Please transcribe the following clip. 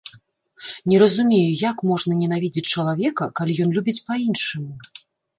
Не разумею, як можна ненавідзець чалавека, калі ён любіць па-іншаму?